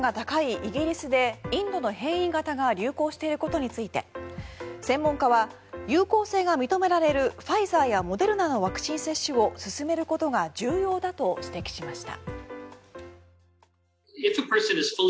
イギリスでインドの変異型が流行していることについて専門家は有効性が認められるファイザーやモデルナのワクチン接種を進めることが重要だと指摘しました。